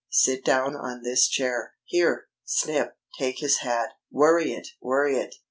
Sit down on this chair.... Here, Snip, take his hat. Worry it! Worry it!